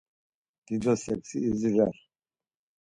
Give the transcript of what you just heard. Dido seksi idzirer.